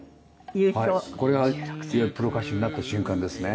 これがプロ歌手になった瞬間ですね